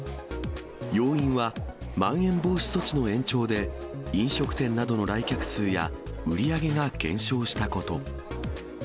要因は、まん延防止措置の延長で、飲食店などの来客数や売り上げが減少したこと。